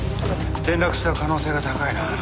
転落した可能性が高いな。